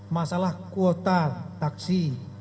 masalah kuota taksi